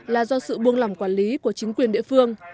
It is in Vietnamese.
là do sự buông lỏng quản lý của chính quyền địa phương